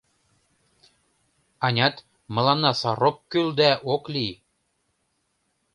— Анят, мыланна сар ок кӱл да, ок лий.